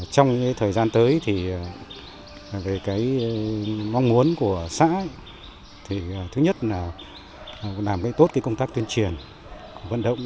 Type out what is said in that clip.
trong thời gian tới thì về cái mong muốn của xã thứ nhất là làm tốt công tác tuyên truyền vận động